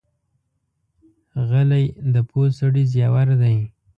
غلی، د پوه سړي زیور دی.